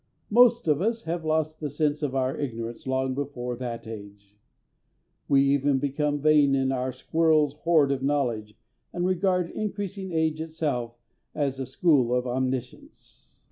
Most of us have lost the sense of our ignorance long before that age. We even become vain of our squirrel's hoard of knowledge and regard increasing age itself as a school of omniscience.